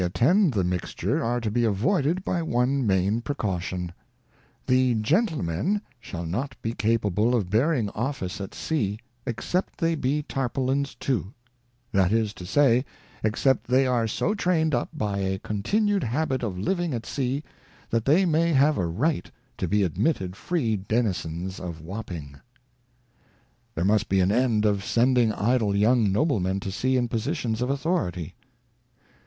xix attend the mixture are to be avoided by one main pre caution :' The Gentlemen shall not be capable of bearing Office at Sea, except they be Tarpaulins too ; that is to say, except they are so trained up by a continued habit of living at Sea, that they may have a Right to be admitted free Denizens of Wapping.' There must be an end of sending idle young noblemen to sea in positions of authority.